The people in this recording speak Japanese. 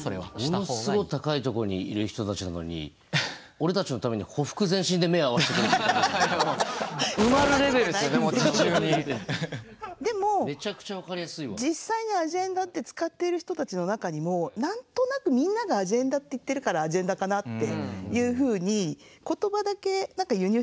それは。ものっすごい高いとこにいる人たちなのに俺たちのためにでも実際にアジェンダって使っている人たちの中にも何となくみんながアジェンダって言っているからアジェンダかなっていうふうにへえ。